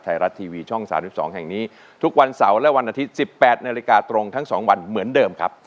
ไทยรัฐทีวีช่อง๓๒แห่งนี้ทุกวันเสาร์และวันอาทิตย์๑๘นาฬิกาตรงทั้ง๒วันเหมือนเดิมครับ